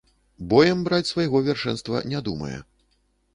Боем браць свайго вяршэнства не думае.